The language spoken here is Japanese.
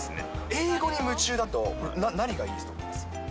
英語に夢中だと何がいいと思います？